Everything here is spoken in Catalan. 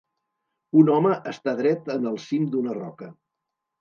Un home està dret en el cim d'una roca.